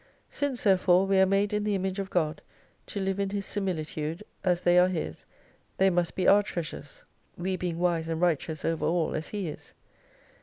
Since therefore we are made in the Image of God, to live in His similitude, as they are His, they must be our treasures. We being wise and righteous over all as He is.